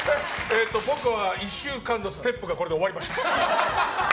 僕は１週間のステップがこれで終わりました。